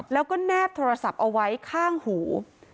แล้วก็แนบโทรศัพท์เอาไว้ข้างหู